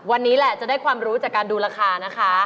วันนี้แหละจะได้ความรู้จากการดูราคานะคะ